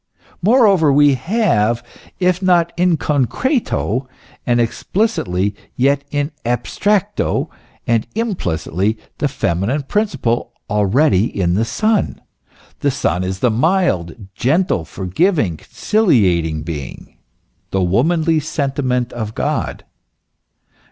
Moreover we have, if not in concrete) and explicitly, yet in abstracto and implicitly, the feminine principle already in the Son. The Son is the mild, gentle, forgiving, conciliating being the womanly sentiment of God.